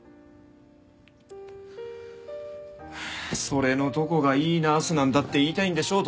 それのどこがいいナースなんだって言いたいんでしょ